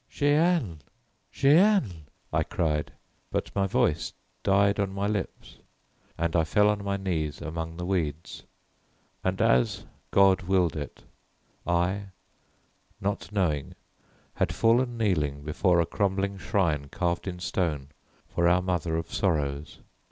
"Jeanne, Jeanne," I cried, but my voice died on my lips, and I fell on my knees among the weeds. And as God willed it, I, not knowing, had fallen kneeling before a crumbling shrine carved in stone for our Mother of Sorrows.